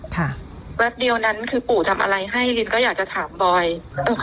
โกรธถึงโมโหค่ะโมโหคือบ้าสุดท้ายคือคุก